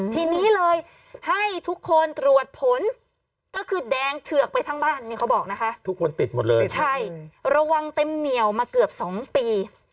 ทีนี้เลยให้ทุกคนตรวจผลก็คือแดงเถือกไปทั้งบ้านนี่เขาบอกนะคะทุกคนติดหมดเลยใช่ระวังเต็มเหนียวมาเกือบ๒ปี